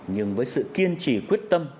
nhưng với sự kiên trì quyết tâm